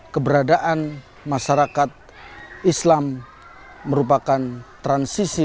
keberadaan masyarakat islam merupakan transisi